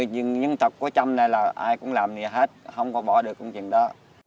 chính thật của trong này là ai cũng làm như thế hết không có bỏ được công trình đó